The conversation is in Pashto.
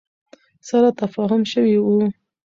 سره تفاهم شوی ؤ